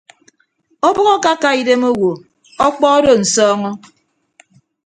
Ọbʌk akaka idem owo ọkpọ odo nsọọñọ.